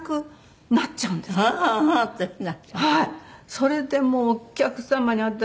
それでもうお客様に私